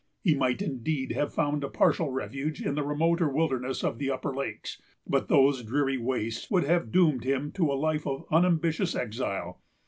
He might, indeed, have found a partial refuge in the remoter wilderness of the upper lakes; but those dreary wastes would have doomed him to a life of unambitious exile.